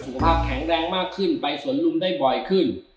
สุขภาพแข็งแรงมากขึ้นไปสวนลุมได้บ่อยขึ้น